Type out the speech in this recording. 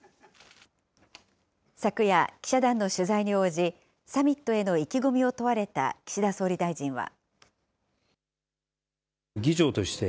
昨夜、記者団の取材に応じ、サミットへの意気込みを問われた岸田総理大臣は。